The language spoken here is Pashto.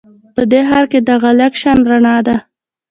په دې ښار کې دغه لږه شان رڼا ده